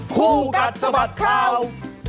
คู่กัดสะบัดข่าว